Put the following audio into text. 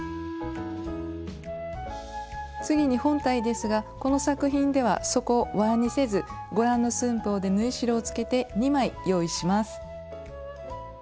次に本体ですがこの作品では底をわにせずご覧の寸法で縫い代をつけて２枚用意します。